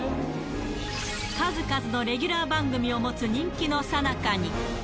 数々のレギュラー番組を持つ人気のさなかに。